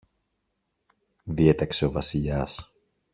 διέταξε ο Βασιλιάς